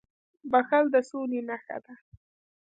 • بښل د سولي نښه ده.